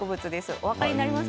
お分かりになります？